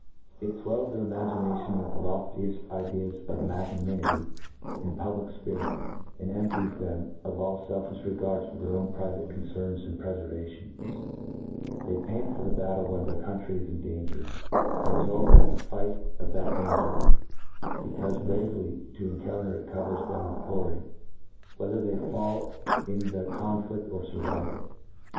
It '. N fwells 98 INTRODUCTION. I fwcUs their imaginations with the loftieft ideas of magnanimity and public fpirit, and empties thenai of all felfifh regards for their own private con cerns and prefervation. They pant for the batdc when their country is in danger, and exult at the the fight of that danger ^becaufe bravely to encounter it covers them with glory, whether they fall in the conflifkor furvivc it.